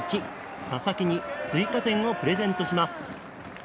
佐々木に追加点をプレゼントします。